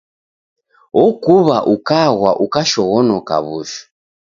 Okuw'a ukagwa ukashoghonoka w'ushu.